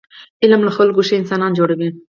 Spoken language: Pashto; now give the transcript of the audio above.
علم له خلکو ښه انسانان جوړوي.